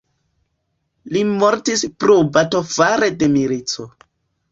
Li mortis pro bato fare de milico.